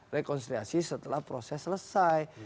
rekonstruksi setelah proses selesai